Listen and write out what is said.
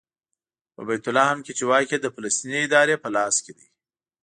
په بیت لحم کې چې واک یې د فلسطیني ادارې په لاس کې دی.